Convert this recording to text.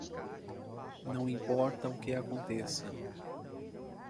Não importa o que aconteça